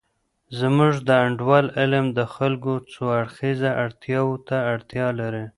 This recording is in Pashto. زمونږ د انډول علم د خلګو څو اړخیزه اړتیاوو ته اړتیا لري.